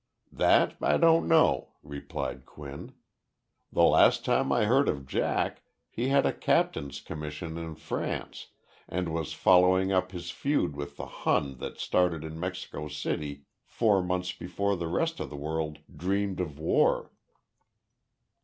"That I don't know," replied Quinn. "The last time I heard of Jack he had a captain's commission in France and was following up his feud with the Hun that started in Mexico City four months before the rest of the world dreamed of war.